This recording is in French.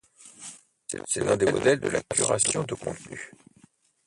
C'est l'un des modèles de la curation de contenu.